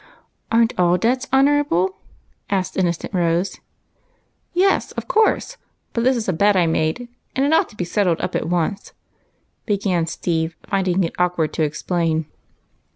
" Are n't all dabts honorable ?" asked innocent Rose. " Yes, of course ; but this is a bet I made, and it ought to be settled up at once," began Steve, finding it awkward to explain.